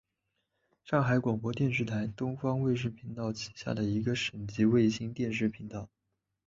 上海广播电视台东方卫视频道旗下的一个省级卫星电视频道。